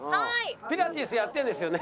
ピラティスやってるんですよね？